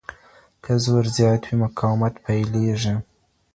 که زور زيات وي مقاومت پيليږي.